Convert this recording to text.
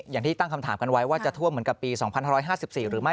อย่างที่ตั้งคำถามกันไว้ว่าจะท่วมเหมือนกับปี๒๕๕๔หรือไม่